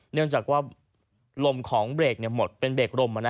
เนื่องจากว่าลมของเบรกหมดเป็นเบรกลม